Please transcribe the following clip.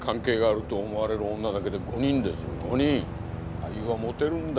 俳優はモテるんだ。